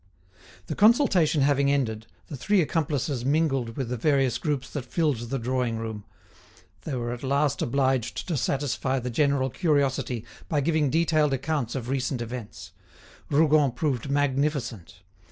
The consultation having ended, the three accomplices mingled with the various groups that filled the drawing room. They were at last obliged to satisfy the general curiosity by giving detailed accounts of recent events. Rougon proved magnificent.